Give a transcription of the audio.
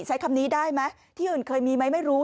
ใช้คำนี้ได้ไหมที่อื่นเคยมีไหมไม่รู้